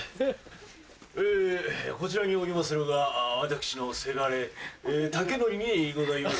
こちらにおりまするが私のせがれ武徳にございます。